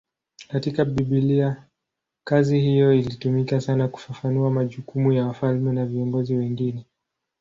Katika Biblia kazi hiyo ilitumika sana kufafanua majukumu ya wafalme na viongozi wengine.